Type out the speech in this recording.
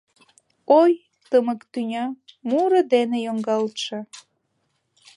Ой, тымык тӱня, муро дене йоҥгалтше!